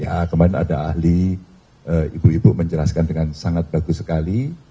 ya kemarin ada ahli ibu ibu menjelaskan dengan sangat bagus sekali